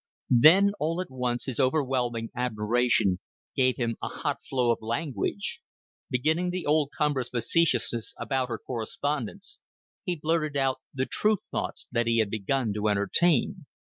Then all at once his overwhelming admiration gave him a hot flow of language. Beginning the old cumbrous facetiousness about her correspondence, he blurted out the true thoughts that he had begun to entertain.